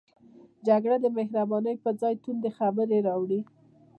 جګړه د مهربانۍ پر ځای توندې خبرې راوړي